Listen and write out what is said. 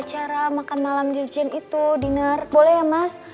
di acara makan malam di gym itu diner boleh ya mas